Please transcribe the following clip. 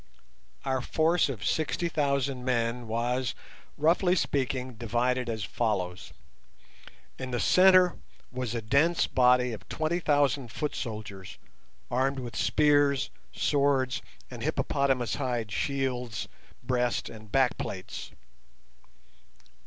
Our force of sixty thousand men was, roughly speaking, divided as follows. In the centre was a dense body of twenty thousand foot soldiers, armed with spears, swords, and hippopotamus hide shields, breast and back plates.